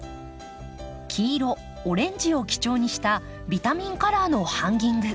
黄色オレンジを基調にしたビタミンカラーのハンギング。